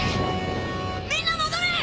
みんな戻れ！